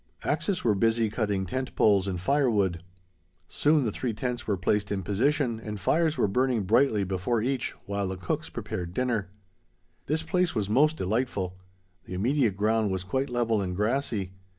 Axes were busy cutting tent poles and firewood. Soon the three tents were placed in position, and fires were burning brightly before each, while the cooks prepared dinner. This place was most delightful. The immediate ground was quite level and grassy.